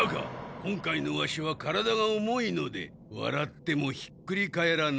今回のワシは体が重いのでわらってもひっくり返らないのだ。